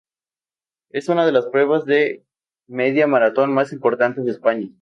Es una de las pruebas de media maratón más importantes de España.